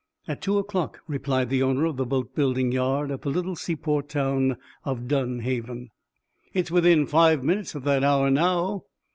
"At two o'clock," replied the owner of the boat building yard at the little seaport town of Dunhaven. "It's within five minutes of that hour, now."